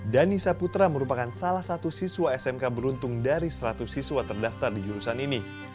dhani saputra merupakan salah satu siswa smk beruntung dari seratus siswa terdaftar di jurusan ini